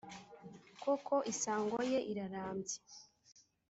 koko isango ye irarambye